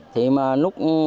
thì mà lúc